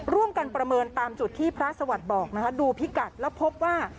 ร่วมกันประเมินตามจุดที่พระสวัสดิ์บอกดูพิกัดแล้วพบว่า